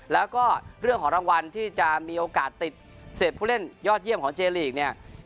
แล้วก็เรื่องของรางวัลที่จะมีโอกาสติดเศษผู้เล่นยอดเยี่ยมของเจลีกเนี่ย